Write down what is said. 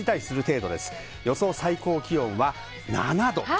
予想最高気温は７度。